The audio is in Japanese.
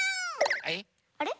あれ？